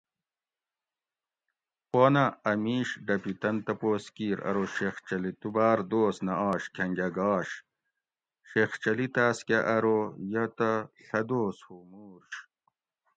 پونہ اۤ میش ڈپی تن تپوس کِیر ارو شیخ چلی تو باۤر دوس نہ آش کھنگہ گاش؟ شیخ چلی تاۤس کہ ارو یہ تہ ڷھہ دوس ھُو مورش